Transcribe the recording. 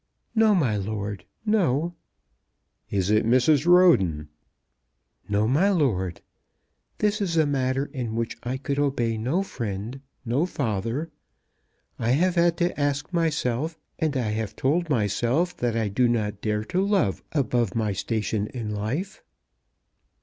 "No, my lord, no." "It is Mrs. Roden." "No, my lord. This is a matter in which I could obey no friend, no father. I have had to ask myself, and I have told myself that I do not dare to love above my station in life."